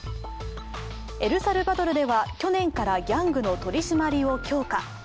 エルサルバドルでは去年からギャングの取り締まりを強化。